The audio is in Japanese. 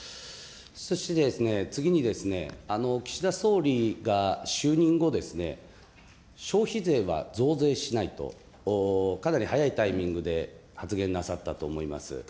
そしてですね、次にですね、岸田総理が就任後、消費税は増税しないとかなり早いタイミングで、発言なさったと思います。